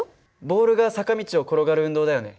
ボールが坂道を転がる運動だよね。